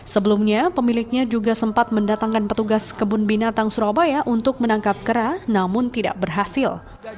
sebelumnya pemiliknya juga sempat mendatangkan petugas kebun binatang surabaya untuk menangkap kera namun tidak berhasil